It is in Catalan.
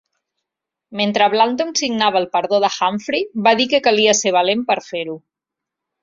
Mentre Blanton signava el perdó de Humphrey, va dir que calia ser valent per fer-ho.